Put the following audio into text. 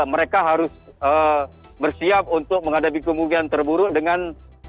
mereka harus bersiap untuk menghadapi kemungkinan terburuk dengan